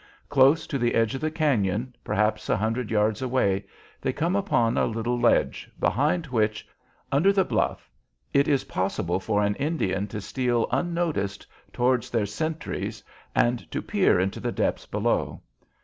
Close to the edge of the cañon, perhaps a hundred yards away, they come upon a little ledge, behind which, under the bluff, it is possible for an Indian to steal unnoticed towards their sentries and to peer into the depths below.